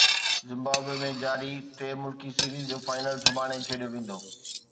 Zimbabwe ۾ جاري ٽي ملڪي سيريز جو فائنل سڀاڻي کيڏيو ويندو